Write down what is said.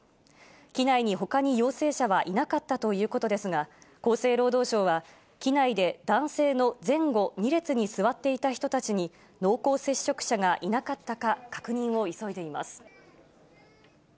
機内にほかに陽性者はいなかったということですが、厚生労働省は、機内で男性の前後２列に座っていた人たちに濃厚接触者がいなかったか、確認を急いでいます。